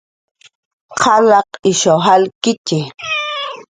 Qalaq ishaw jakkitxi